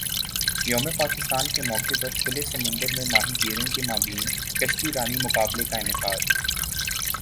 یوم پاکستان کے موقع پر کھلے سمندر میں ماہی گیروں کے مابین کشتی رانی مقابلے کا انعقاد